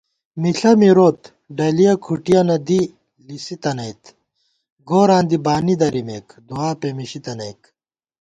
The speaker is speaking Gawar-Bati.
مِݪہ مِروت ڈلِیَہ کھُٹِیَنہ دی لِسِتَنَئیک * گوراں دی بانی درِمېک دُعاپېمېشی تنَئیک